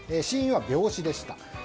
死因は病死でした。